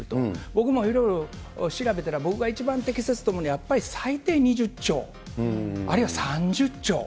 僕もいろいろ調べたら、僕が一番適切と思うのは、やっぱり最低２０兆、あるいは３０兆。